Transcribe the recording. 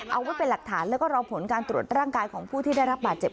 เอาไว้เป็นหลักฐานแล้วก็รอผลการตรวจร่างกายของผู้ที่ได้รับบาดเจ็บ